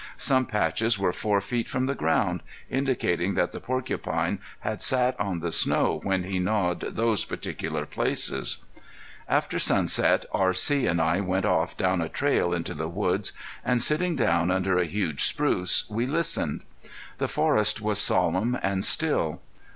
Some patches were four feet from the ground, indicating that the porcupine had sat on the snow when he gnawed those particular places. After sunset R.C. and I went off down a trail into the woods, and sitting down under a huge spruce we listened. The forest was solemn and still.